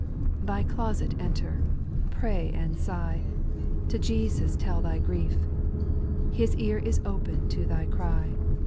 3. Thy closet enter, pray and sigh, To Jesus tell thy grief. His ear is open to thy cry.